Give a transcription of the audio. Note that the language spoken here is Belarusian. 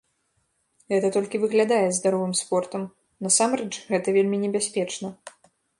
Гэта толькі выглядае здаровым спортам, насамрэч, гэта вельмі небяспечна.